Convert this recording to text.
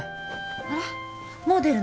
あれもう出るの？